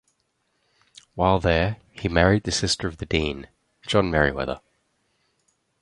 While there he married the sister of the Dean, John Merryweather.